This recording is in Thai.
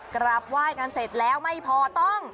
กราบไหว้กันเสร็จแล้วไม่พอต้อง